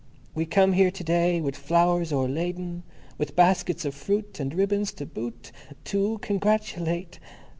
We come here To day with Flowers o'erladen, With Baskets of Fruit and Ribbons to boot, To oo Congratulate